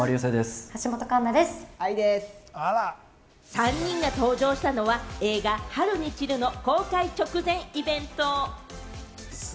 ３人が登場したのは映画『春に散る』の公開直前イベント。